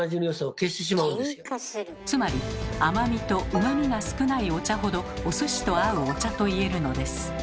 つまり甘みと旨味が少ないお茶ほどお寿司と合うお茶といえるのです。